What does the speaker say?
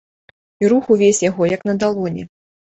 І рух увесь яго як на далоні.